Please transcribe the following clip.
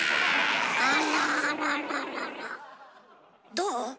どう？